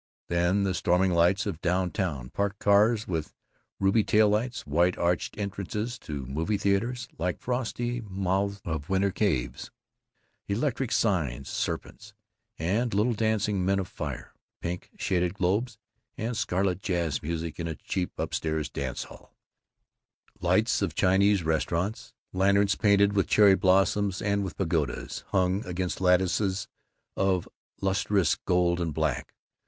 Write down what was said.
Then the storming lights of down town; parked cars with ruby tail lights; white arched entrances to movie theaters, like frosty mouths of winter caves; electric signs serpents and little dancing men of fire; pink shaded globes and scarlet jazz music in a cheap up stairs dance hall; lights of Chinese restaurants, lanterns painted with cherry blossoms and with pagodas, hung against lattices of lustrous gold and black.